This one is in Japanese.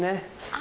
あ。